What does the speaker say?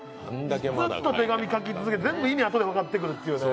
ずっと手紙書き続けて全部意味があとで分かってくるという。